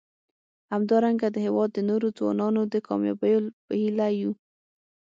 همدارنګه د هیواد د نورو ځوانانو د کامیابیو په هیله یو.